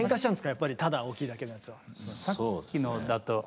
やっぱりただ大きいだけだと。